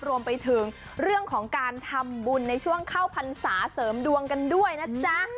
รวมไปถึงเรื่องของการทำบุญในช่วงเข้าพรรษาเสริมดวงกันด้วยนะจ๊ะ